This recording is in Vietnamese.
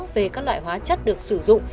về các loại hóa chất được sử dụng